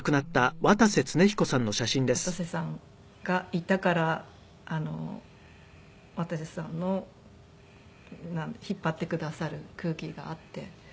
渡瀬さんがいたから渡瀬さんの引っ張ってくださる空気があって。